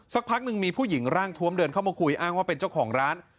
สักพักหนึ่งมีผู้หญิงร่างทวมเดินเข้ามาคุยอ้างว่าเป็นเจ้าของร้าน